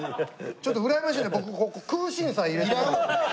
ちょっとうらやましいので僕ここ空心菜入れて。